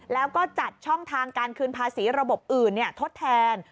แล้วก็จัดช่องทางการคืนภาษีระบบอื่นทดแทน